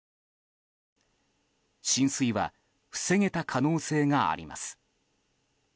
浸水は防げた可能性があります。